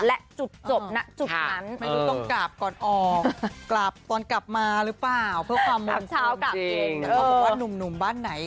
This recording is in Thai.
เพราะว่าหนุ่มบ้านไหน